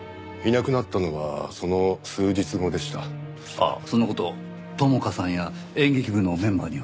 あっその事朋香さんや演劇部のメンバーには？